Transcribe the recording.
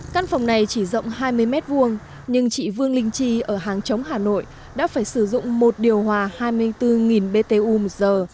căn phòng này chỉ rộng hai mươi m hai nhưng chị vương linh chi ở hàng chống hà nội đã phải sử dụng một điều hòa hai mươi bốn btu một giờ